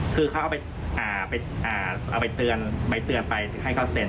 คือเขาเอาไปเตือนไปให้เขาเต็น